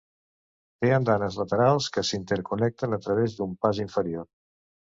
Té andanes laterals, que s'interconnecten a través d'un pas inferior.